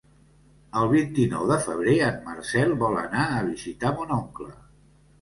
El vint-i-nou de febrer en Marcel vol anar a visitar mon oncle.